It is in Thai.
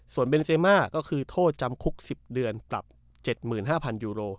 ส่วนเบนเซมาก็คือโทษจำคุก๑๐เดือนปรับ๗๕๐๐ยูโร